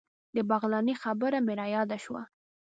د بغلاني خبره مې رایاده شوه.